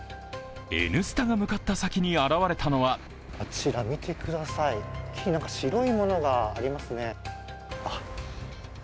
「Ｎスタ」が向かった先に現れたのはあちら、見てください、白いものがありますね。